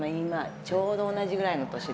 ちょうど同じぐらいの年で。